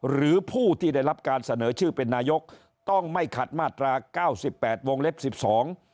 หรือผู้ที่ได้รับการเสนอชื่อเป็นนายกต้องไม่ขาดมาตรา๙๘วงเล็ก๑๒